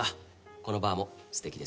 このバーもすてきですよ。